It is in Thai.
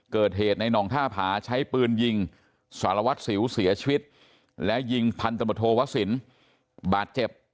เกิดเหตุในน่องท่าผาใช้ปืนยิงสารวัตรสิวเสียชีวิตและยิงพันธมตโทวสินบาดเจ็บ